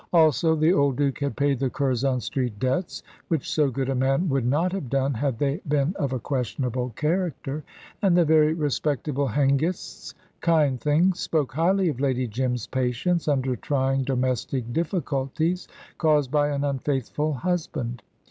Also, the old Duke had paid the Curzon Street debts, which so good a man would not have done had they been of a questionable character. And the very respectable Hengists, kind things, spoke highly of Lady Jim's patience under trying domestic difficulties caused by an unfaithful husband.